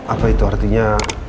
apa itu artinya